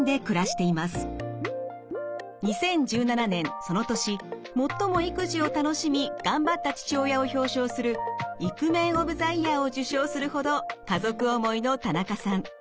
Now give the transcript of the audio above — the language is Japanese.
２０１７年その年最も育児を楽しみ頑張った父親を表彰するイクメンオブザイヤーを受賞するほど家族思いの田中さん。